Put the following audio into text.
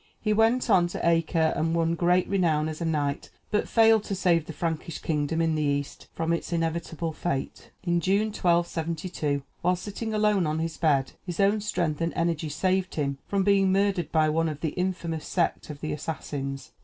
He went on to Acre, and won great renown as a knight, but failed to save the Frankish kingdom in the East from its inevitable fate. In June, 1272, while sitting alone on his bed, his own strength and energy saved him from being murdered by one of the infamous sect of the Assassins.